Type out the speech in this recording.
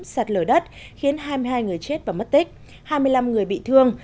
sạt lở đất khiến hai mươi hai người chết và mất tích hai mươi năm người bị thương